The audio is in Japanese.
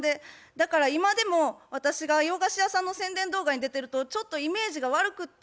だから今でも私が洋菓子屋さんの宣伝動画に出てるとちょっとイメージが悪くって。